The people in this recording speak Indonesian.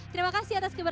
terima kasih atas kembali